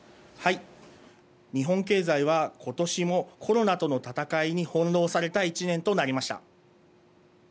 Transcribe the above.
日本経済は今年もコロナとの戦いに翻弄された１年となりました。